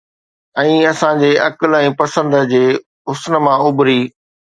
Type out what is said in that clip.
۽ اسان جي عقل ۽ پسند جي حسن مان اڀري